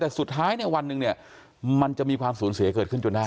แต่สุดท้ายเนี่ยวันหนึ่งเนี่ยมันจะมีความสูญเสียเกิดขึ้นจนได้